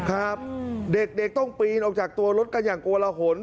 ครับเด็กต้องปีนออกจากตัวรถกันอย่างโกละหน